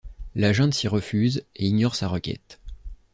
La junte s'y refuse et ignore sa requête.